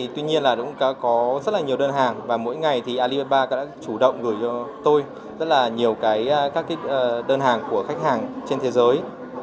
tuy nhiên là cũng có rất là nhiều đơn hàng và mỗi ngày thì alibaba đã chủ động gửi cho tôi rất là nhiều các đơn hàng của khách hàng trên thế giới